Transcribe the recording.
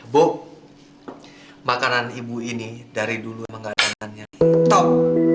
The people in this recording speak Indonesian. bu makanan ibu ini dari dulu mengadakannya top